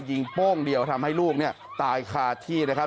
ยิงโป้งเดียวทำให้ลูกตายขาดที่นะครับ